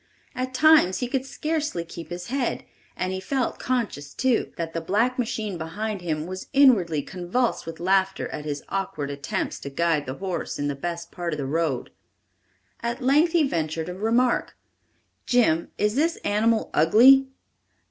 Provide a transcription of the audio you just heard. At times he could scarcely keep his head, and he felt conscious, too, that the black machine behind him was inwardly convulsed with laughter at his awkward attempts to guide the horse in the best part of the road. At length he ventured a remark: "Jim, is this animal ugly?"